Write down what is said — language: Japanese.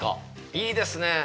いいですね。